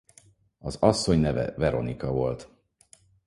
Az asszony neve Veronika volt.